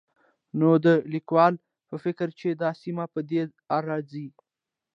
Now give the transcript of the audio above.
نو د ليکوال په فکر چې دا سيمه په دې ارځي